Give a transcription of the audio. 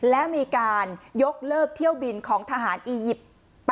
และมีการยกเลิกเที่ยวบินของทหารอียิปต์